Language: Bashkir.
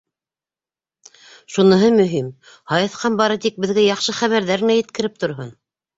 Шуныһы мөһим, һайыҫҡан бары тик беҙгә яҡшы хәбәрҙәр генә еткереп торһон!